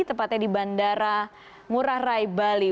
tepatnya di bandara ngurah rai bali